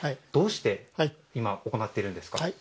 どうして、今行っているんですか？